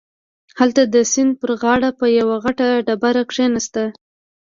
هلته د سيند پر غاړه په يوه غټه ډبره کښېناسته.